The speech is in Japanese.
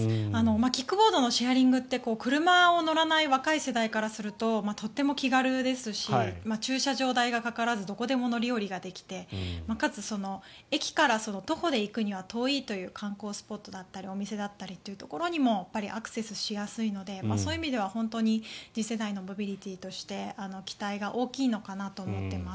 キックボードのシェアリングって車に乗らない若い世代からするととても気軽ですし駐車場代がかからずどこでも乗り降りができてかつ、駅から徒歩で行くには遠いという観光スポットだったりお店だったりというところにもアクセスしやすいのでそういう意味では本当に次世代のモビリティーとして期待が大きいのかなと思っています。